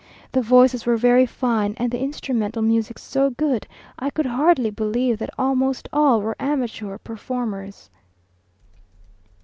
The voices were very fine, and the instrumental music so good, I could hardly believe that almost all were amateur performers.